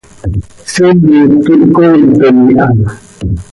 Siimet quih cooitom iha.